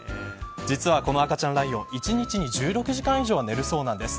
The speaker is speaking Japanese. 実は、この赤ちゃんライオン１日に１６時間以上寝るそうです。